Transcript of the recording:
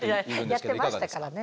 やってましたからね。